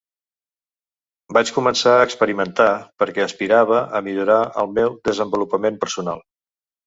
Vaig començar a experimentar perquè aspirava a millorar el meu desenvolupament personal.